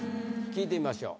聞いてみましょう。